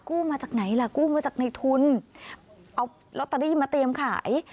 มาจากไหนล่ะกู้มาจากในทุนเอาลอตเตอรี่มาเตรียมขาย